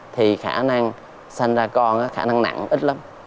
thì khả năng xanh ra con khả năng nặng ít lắm